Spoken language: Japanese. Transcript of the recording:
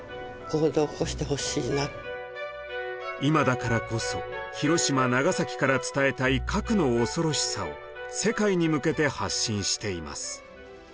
今だからこそ広島・長崎から伝えたい核の恐ろしさを世界に向けて発信しています。